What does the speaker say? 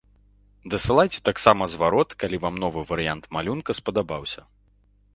Дасылайце таксама зварот, калі вам новы варыянт малюнка спадабаўся.